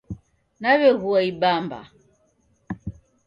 Naw'egua ibamba